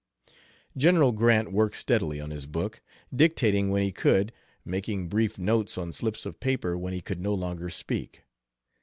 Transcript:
General Grant worked steadily on his book, dictating when he could, making brief notes on slips of paper when he could no longer speak.